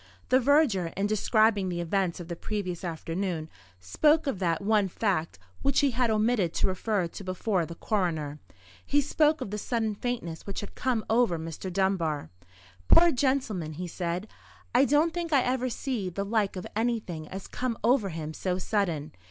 The verger, in describing the events of the previous afternoon, spoke of that one fact which he had omitted to refer to before the coroner. He spoke of the sudden faintness which had come over Mr. Dunbar. "Poor gentleman!" he said, "I don't think I ever see the like of anything as come over him so sudden.